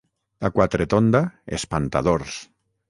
A Quatretonda, espantadors.